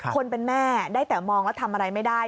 คนเป็นแม่ได้แต่มองแล้วทำอะไรไม่ได้